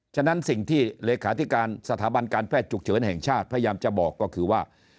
ฉะนั้นสิ่งที่เลขาธิการสถาบันการแพทย์ฉุกเฉินแห่งชาติพยายามจะบอกก็คือว่า